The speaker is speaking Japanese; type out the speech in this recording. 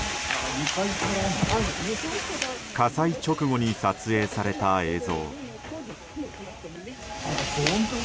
火災直後に撮影された映像。